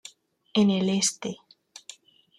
En el Este.